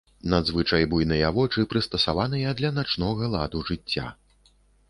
Надзвычай буйныя вочы, прыстасаваныя для начнога ладу жыцця.